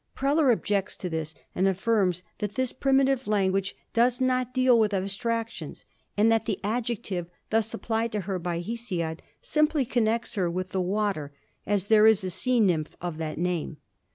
Preller objects to this, and affirms that this primitive language does not deal with abstractions, and that the adjective thus applied to her by Hesiod simply connects her with the water, as there is a sea nymph of that name.